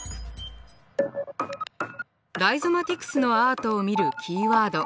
ライゾマティクスのアートを見るキーワード。